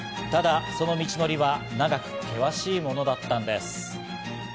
ただその道程は長く険しいものだったんです。